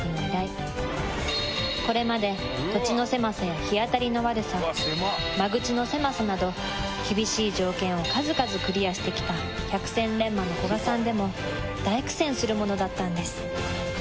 これまで土地の狭さや日当たりの悪さ間口の狭さなど厳しい条件を数々クリアしてきた百戦錬磨の古賀さんでも大苦戦するものだったんです。